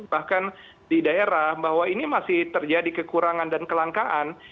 bahkan di daerah bahwa ini masih terjadi kekurangan dan kelangkaan